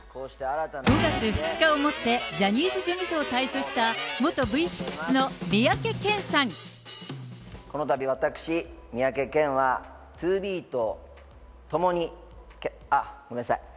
５月２日をもってジャニーズ事務所を退所した、このたび、私、三宅健は、ＴＯＢＥと共に、あっ、ごめんなさい。